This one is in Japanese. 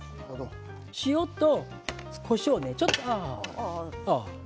塩とこしょうをちょっと。